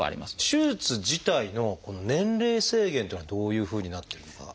手術自体の年齢制限っていうのはどういうふうになってるのか。